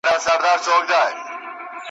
پر لکړه مي وروستی نفس دروړمه ,